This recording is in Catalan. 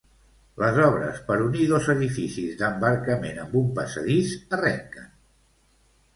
Les obres per unir dos edificis d'embarcament amb un passadís arrenquen.